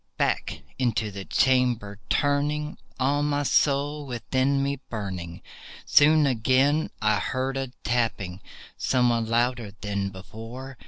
Back into the chamber turning, all my soul within me burning, Soon I heard again a tapping, somewhat louder than before.